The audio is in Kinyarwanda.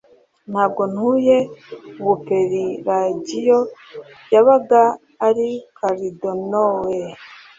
ntabwo ntuye ubupelagiyo yabaga i kardanoel